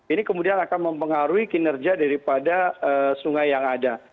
ini kemudian akan mempengaruhi kinerja daripada sungai yang ada